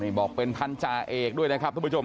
นี่ฮะบอกเป็นท่านจาเอกด้วยนะครับทุกประจม